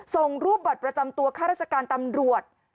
ส่งรูปบัตรประจำตัวข้าราชการตำรวจ